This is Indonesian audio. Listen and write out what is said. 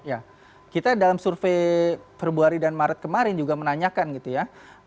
ya kita dalam survei februari dan maret kemarin juga menanyakan gitu ya